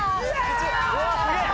うわすげえ！